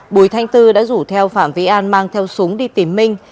bùi thanh tư đã rủ theo phạm vĩ an mang theo súng đi tìm minh